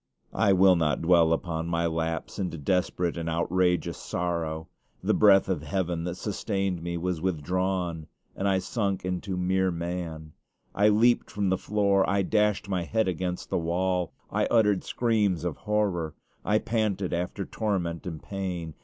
I will not dwell upon my lapse into desperate and outrageous sorrow. The breath of heaven that sustained me was withdrawn, and I sunk into mere man. I leaped from the floor; I dashed my head against the wall; I uttered screams of horror; I panted after torment and pain.